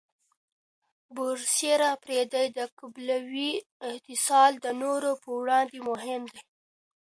برسېره پر دې، د قبیلوي اتصال د نورو پر وړاندې مهم دی.